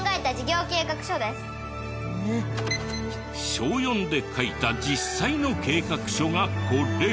小４で書いた実際の計画書がこれ。